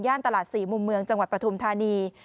ตลาด๔มุมเมืองจังหวัดปฐุมธานี